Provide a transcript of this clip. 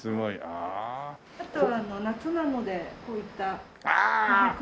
あとは夏なのでこういった琥珀ですね。